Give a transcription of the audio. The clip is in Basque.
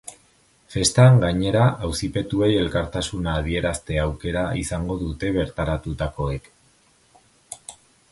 Festan, gainera, auzipetuei elkartasuna adierazte aukera izango dute bertaratutakoek.